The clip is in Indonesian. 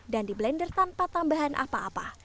dan di blender tanpa tambahan apa apa